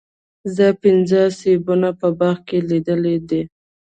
زه پنځه سیبونه په باغ کې لیدلي دي.